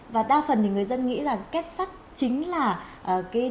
và đa phần người dân nghĩ rằng kết sắt chính là nơi có nhiệm vụ